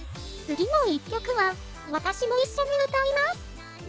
次の一曲は私も一緒に歌います！